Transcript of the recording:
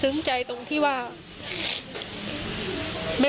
หลังจากผู้ชมไปฟังเสียงแม่น้องชมไป